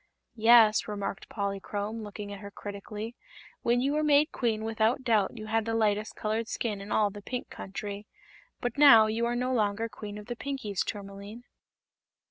"Yes," remarked Polychrome, looking at her critically, "when you were made Queen without doubt you had the lightest colored skin in all the Pink Country. But now you are no longer Queen of the Pinkies, Tourmaline."